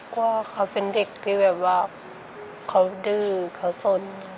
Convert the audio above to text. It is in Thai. ก็เขาเป็นเด็กที่แบบว่าเขาดื้อเขาสน